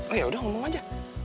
oh yaudah omong aja